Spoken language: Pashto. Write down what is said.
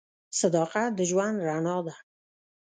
صداقت د ژوند رڼا ده.